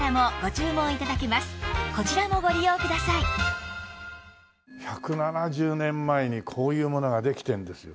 また１７０年前にこういうものができてんですよ。